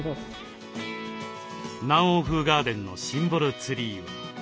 南欧風ガーデンのシンボルツリーは。